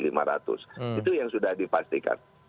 itu yang sudah dipastikan